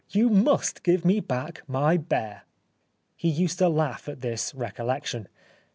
You must give me back my bear." He used to laugh at this recollection.